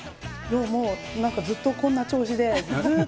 もうずっとこんな調子で。